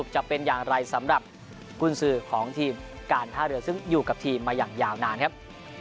จะเป็นอย่างไรสำหรับกุญสือของทีมการท่าเรือซึ่งอยู่กับทีมมาอย่างยาวนานครับ